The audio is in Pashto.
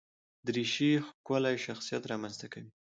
دریشي ښکلی شخصیت رامنځته کوي.